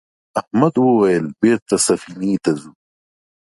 احمد وویل بېرته سفینې ته ځو.